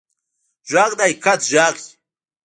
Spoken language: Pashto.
غږ د حقیقت غږ وي